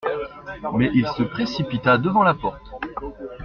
Mais il se précipita devant la porte.